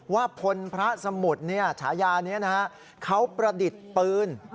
พลพระสมุทรฉายานี้นะฮะเขาประดิษฐ์ปืน